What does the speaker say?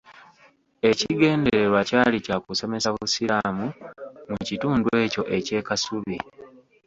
Ekigendererwa kyali kya kusomesa busiraamu mu kitundu ekyo eky'e Kasubi.